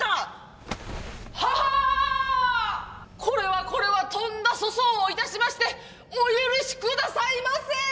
これはこれはとんだ粗相をいたしましてお許し下さいませ！